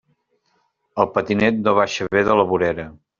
El patinet no baixa bé de la vorera.